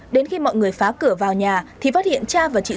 đến khi mọi người phá cửa vào nhà thì phát hiện cha và chị